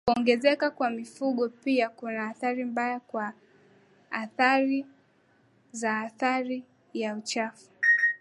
Kuongezeka kwa mifugo pia kuna athari mbaya kwa athari za athari ya chafu